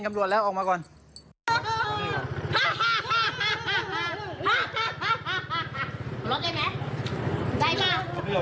ไอ้แม่ได้เอาแม่ดูนะ